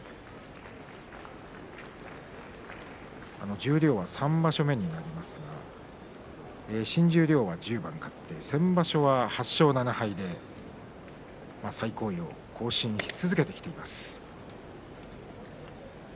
十両は３場所目になりますが新十両は１０番勝って先場所は８勝７敗で最高位を更新し続けています。